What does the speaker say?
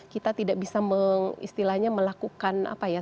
kita tidak bisa mengistilahnya melakukan apa ya